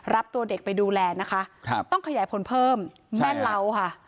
รับตัวเด็กไปดูแลนะคะครับต้องขยายผลเพิ่มแม่เล้าค่ะ